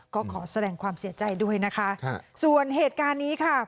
ก็ขอแสดงความเสียใจด้วยนะคะส่วนเหตุการณ์นี้ค่ะ